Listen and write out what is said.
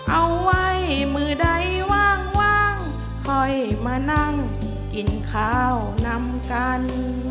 เอาไว้มือใดว่างค่อยมานั่งกินข้าวนำกัน